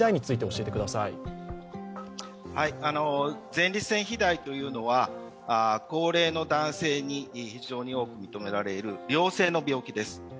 前立腺肥大というのは、高齢の男性に非常に多く認められる良性の病気です。